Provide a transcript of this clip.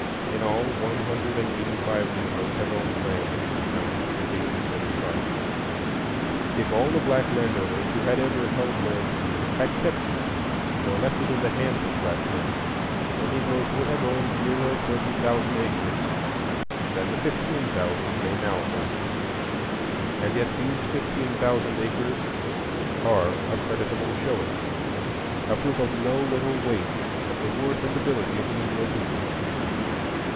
In all, one hundred and eighty five Negroes have owned land in this county since 1875. If all the black land owners who had ever held land here had kept it or left it in the hands of black men, the Negroes would have owned nearer thirty thousand acres than the fifteen thousand they now hold. And yet these fifteen thousand acres are a creditable showing,—a proof of no little weight of the worth and ability of the Negro people.